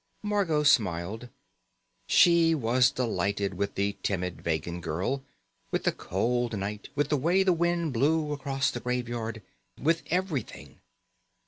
Margot smiled. She was delighted with the timid Vegan girl, with the cold night, with the way the wind blew across the Graveyard, with everything.